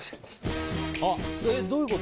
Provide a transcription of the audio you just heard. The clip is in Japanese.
どういうこと？